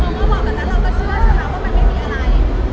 เมื่อพูดเหร้ามาแล้วเราก็เชื่อฉะนั้นนะว่ามันไม่มีอะไร